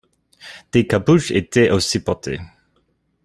Des capuches étaient aussi portées.